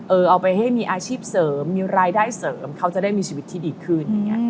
เอาไปให้มีอาชีพเสริมมีรายได้เสริมเขาจะได้มีชีวิตที่ดีขึ้นอย่างนี้